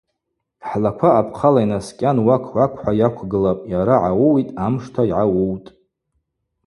Хӏлаква апхъала йнаскӏьан уак-уак – хӏва йыквгылапӏ – йара гӏауыуитӏ амшта йгӏауыутӏ.